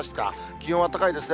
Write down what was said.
気温は高いですね。